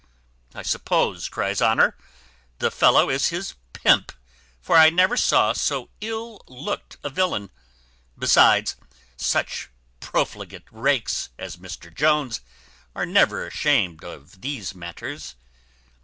"I suppose," cries Honour, "the fellow is his pimp; for I never saw so ill looked a villain. Besides, such profligate rakes as Mr Jones are never ashamed of these matters."